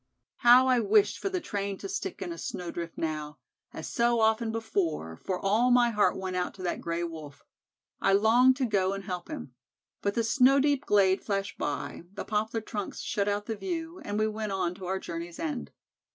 How I wished for the train to stick in a snowdrift now, as so often before, for all my heart went out to that Gray wolf; I longed to go and help him. But the snow deep glade flashed by, the poplar trunks shut out the view, and we went on to our journey's end.